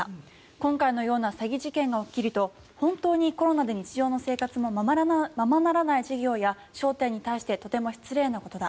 今回のような詐欺事件が起きると本当にコロナで日常の生活もままならない事業や商店に対してとても失礼なことだ。